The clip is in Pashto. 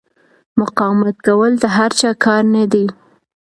مقاومت کول د هر چا کار نه دی.